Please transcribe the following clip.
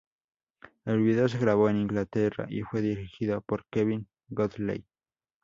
El vídeo se grabó en Inglaterra y fue dirigido por Kevin Godley.